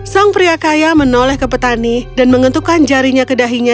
sang pria kaya menoleh ke petani dan mengentukkan jarinya ke dahinya